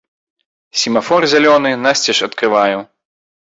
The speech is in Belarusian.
Семафор зялёны насцеж адкрываю.